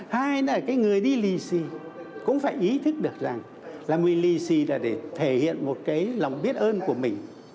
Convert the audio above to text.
hai là cái người đi lì xì cũng phải ý thức được rằng là lì xì là để thể hiện một cái lòng biết ơn của mình